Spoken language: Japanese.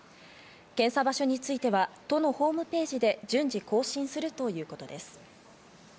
検査場所については都のホームページで順次、更新するということです。